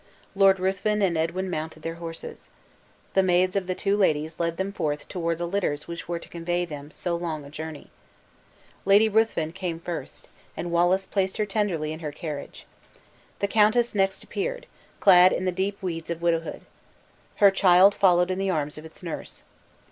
Lord Ruthven and Edwin mounted their horses. The maids of the two ladies led them forth toward the litters which were to convey them so long a journey. Lady Ruthven came first, and Wallace placed her tenderly in her carriage. The countess next appeared, clad in the deep weeds of widowhood. Her child followed in the arms of its nurse.